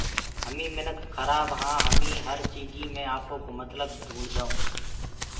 همينٚ منک کرآب هآن همينٚ هر چيجيٚ مي آپوڪو متلب ڍونٚڊدآئونٚ